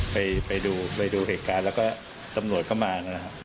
ไปดูเหตุการณ์แล้วก็ตำรวจเข้ามา